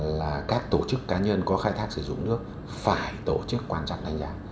là các tổ chức cá nhân có khai thác sử dụng nước phải tổ chức quan trọng đánh giá